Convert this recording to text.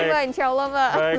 waduh oke mbak insya allah mbak